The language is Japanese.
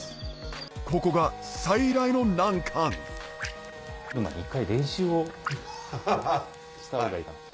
ここが最大の難関一回練習をした方がいいかなと。